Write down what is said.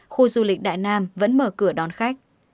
khu du lịch đại nam vẫn mở cửa đón khách